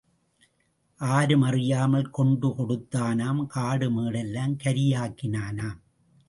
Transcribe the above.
ஆரும் அறியாமல் கொண்டு கொடுத்தானாம் காடு மேடெல்லாம் கரி ஆக்கினானாம்.